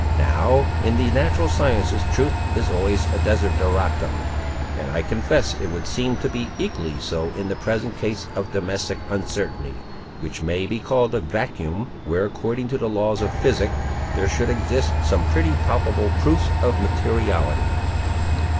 Now, in the natural sciences truth is always a desideratum; and I confess it would seem to be equally so in the present case of domestic uncertainty, which may be called a vacuum where according to the laws of physic, there should exist some pretty palpable proofs of materiality."